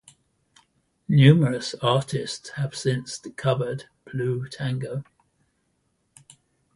Numerous artists have since covered "Blue Tango".